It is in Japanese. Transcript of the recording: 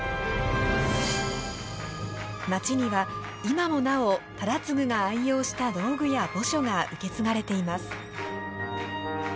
町には今もなお忠次が愛用した道具や墓所が受け継がれています。